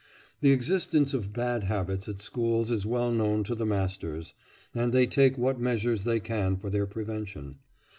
The existence of bad habits at schools is well known to the masters, and they take what measures they can for their prevention.